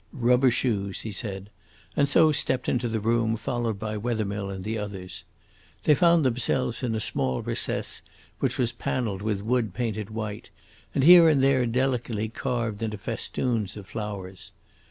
"Rubber shoes," he said, and so stepped into the room, followed by Wethermill and the others. They found themselves in a small recess which was panelled with wood painted white, and here and there delicately carved into festoons of flowers.